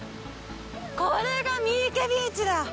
これがミーケビーチだ。